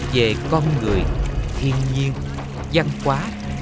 về con người thiên nhiên văn hóa